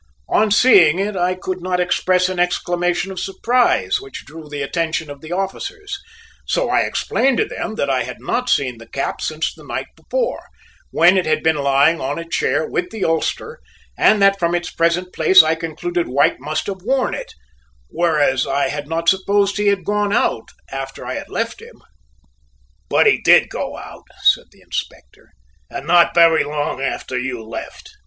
On seeing it I could not suppress an exclamation of surprise which drew the attention of the officers; so I explained to them that I had not seen the cap since the night before, when it had been lying on a chair with the ulster, and that from its present place I concluded White must have worn it, whereas I had not supposed he had gone out after I had left him. "But he did go out," said the Inspector, "and not very long after you left."